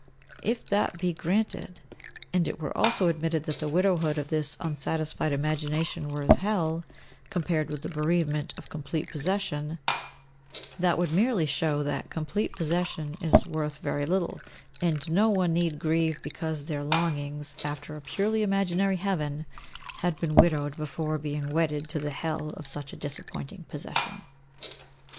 If that be granted, and it were also admitted that the widowhood of this unsatisfied imagination were as hell, compared with "the bereavement of complete possession," that would merely show that "complete possession" is worth very little, and no one need grieve because their longings after a purely imaginary heaven had been widowed before being wedded to the hell of such a disappointing possession.